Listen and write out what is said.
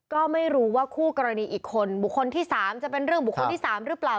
ก็ไม่รู้ว่าคู่กรณีอีกคนบุคคลที่๓จะเป็นเรื่องบุคคลที่๓หรือเปล่า